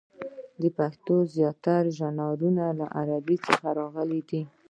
د پښتو زیات ژانرونه له عربي څخه راغلي دي.